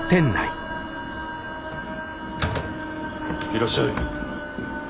いらっしゃい。